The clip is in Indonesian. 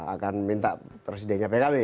akan minta presidenya pkb